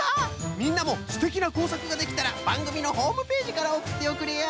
みんなもすてきなこうさくができたらばんぐみのホームページからおくっておくれよ。